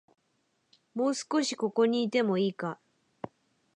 もう少し、ここにいてもいいか